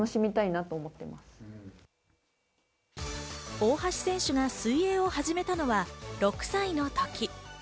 大橋選手が水泳を始めたのは６歳の時。